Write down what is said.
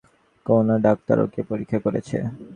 কোনো ডাক্তার ওকে পরীক্ষা করেছে?